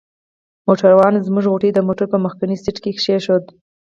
موټروان زموږ غوټې د موټر په مخکني سیټ کې کښېښودې.